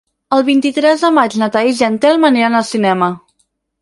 El vint-i-tres de maig na Thaís i en Telm aniran al cinema.